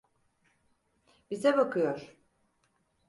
Bize bakıyor.